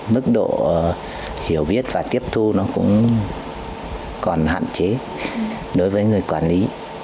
mức độ hiểu biết và tiếp thu nó cũng còn hạn chế đối với người quản lý